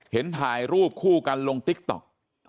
ถ่ายรูปคู่กันลงติ๊กต๊อก